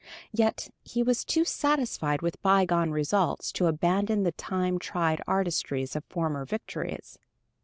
Yet, he was too satisfied with bygone results to abandon the time tried artistries of former victories.